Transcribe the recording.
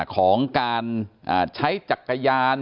ของการใช้จักรยาน